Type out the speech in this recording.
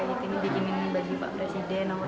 bikinin baju pak presiden